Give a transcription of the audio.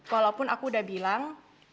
walaupun aku udah bilang